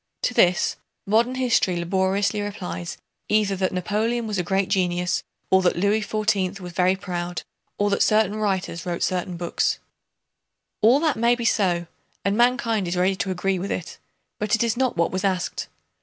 To this, modern history laboriously replies either that Napoleon was a great genius, or that Louis XIV was very proud, or that certain writers wrote certain books. All that may be so and mankind is ready to agree with it, but it is not what was asked.